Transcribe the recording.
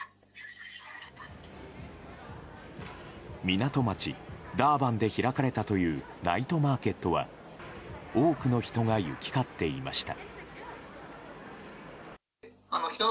港町、ダーバンで開かれたというナイトマーケットは多くの人が行き交っていました。